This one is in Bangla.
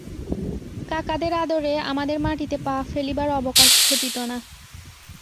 কাকাদের আদরে আমাদের মাটিতে পা ফেলিবার অবকাশ ঘটিত না।